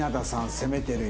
攻めてるよ。